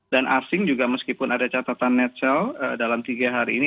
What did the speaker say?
dan asing juga meskipun ada catatan netsel dalam tiga hari ini